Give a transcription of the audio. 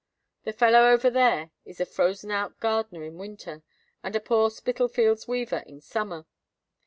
The feller over there is a frozen out gardener in winter, and a poor Spitalfields' weaver in summer.